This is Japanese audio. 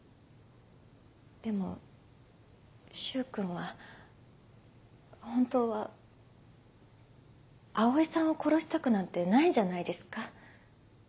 でも柊君は本当は葵さんを殺したくなんてないんじゃないですか？